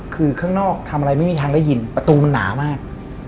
คือข้างนอกทำอะไรไม่มีทางได้ยินประตูมันหนามาก